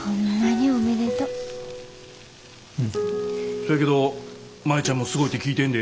そやけど舞ちゃんもすごいて聞いてんで。